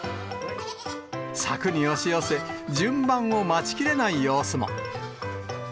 柵に押し寄せ、順番を待ちきれない様子も。